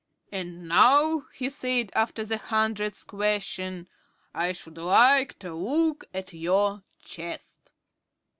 "And now," he said, after the hundredth question, "I should like to look at your chest."